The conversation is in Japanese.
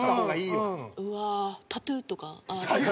うわあタトゥーとか？